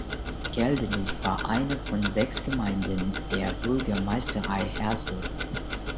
Keldenich war eine von sechs Gemeinden der Bürgermeisterei Hersel.